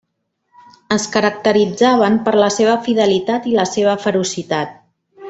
Es caracteritzaven per la seva fidelitat i la seva ferocitat.